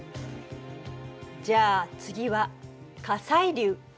じゃあ次は火砕流。